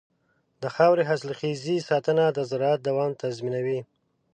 د خاورې حاصلخېزۍ ساتنه د زراعت دوام تضمینوي.